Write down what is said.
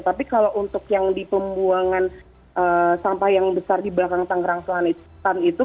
tapi kalau untuk yang di pembuangan sampah yang besar di belakang tangerang selatan itu